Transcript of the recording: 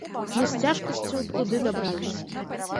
Мы з цяжкасцю туды дабраліся.